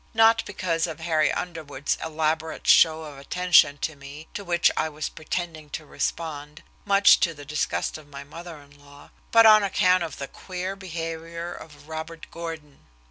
Not because of Harry Underwood's elaborate show of attention to me to which I was pretending to respond, much to the disgust of my mother in law, but on account of the queer behavior of Robert Gordon.